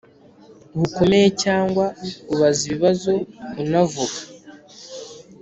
Bukomeye cyangwa ubaza ibibazo unavuga